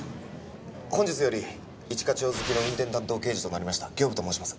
本日より一課長付の運転担当刑事となりました刑部と申します。